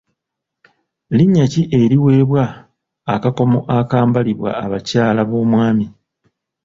Linnya ki eriweebwa akakomo akambalibwa abakyala b'omwami?